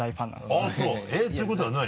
あぁそうえっ？ということは何？